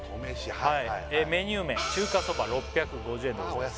はいはいはいメニュー名中華そば６５０円でございます